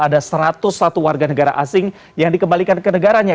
ada satu ratus satu warga negara asing yang dikembalikan ke negaranya